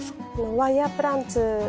ワイヤープランツ？